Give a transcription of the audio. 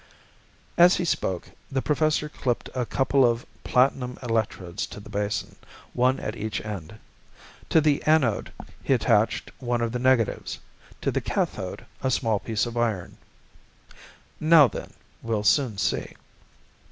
As he spoke, the professor clipped a couple of platinum electrodes to the basin, one at each end. To the anode he attached one of the negatives, to the cathode a small piece of iron. "Now then, we'll soon see."